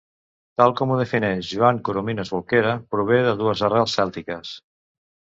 Tal com ho defineix Joan Coromines, Bolquera prové de dues arrels cèltiques.